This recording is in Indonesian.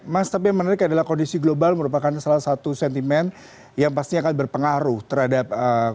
mas tapi yang menarik adalah kondisi global merupakan salah satu sentimen yang pasti akan berpengaruh terhadap